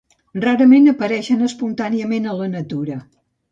Rarament apareixen espontàniament a la natura.